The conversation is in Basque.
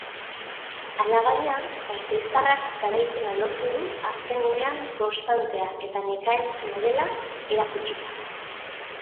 Alabaina, gasteiztarrak garaipena lortu du azken unean konstantea eta nekaezina dela erakutsita.